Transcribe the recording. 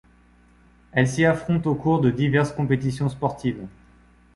Elles s’y affrontent au cours de diverses compétitions sportives.